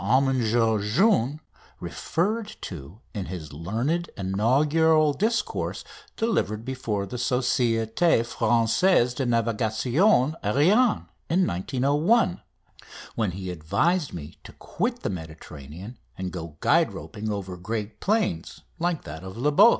Armengaud, Jeune, referred to in his learned inaugural discourse delivered before the Société Française de Navigation Aérienne in 1901, when he advised me to quit the Mediterranean and go guide roping over great plains like that of La Beauce.